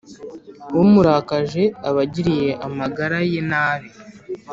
umurakaje aba agiriye amagara ye nabi